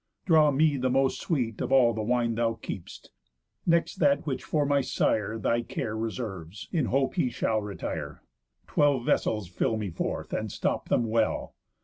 Draw me the most sweet of all The wine thou keep'st; next that which for my sire Thy care reserves, in hope he shall retire. Twelve vessels fill me forth, and stop them well.